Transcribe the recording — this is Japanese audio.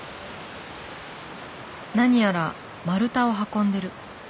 何やら丸太を運んでる。